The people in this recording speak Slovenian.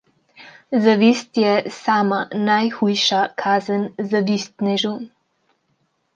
Zavist je sama najhujša kazen zavistnežu.